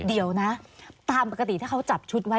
เดี๋ยวนะตามปกติถ้าเขาจับชุดไว้